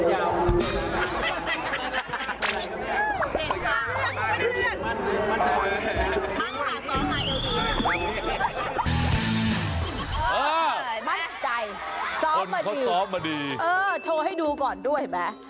เออมั่นใจซอฟต์มาดีเออโชว์ให้ดูก่อนด้วยเห็นไหม